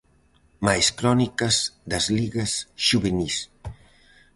Máis crónicas das ligas xuvenís.